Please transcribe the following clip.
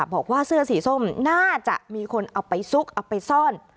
บอกว่าเสื้อสีส้มน่าจะมีคนเอาไปซุกเอาไปซ่อน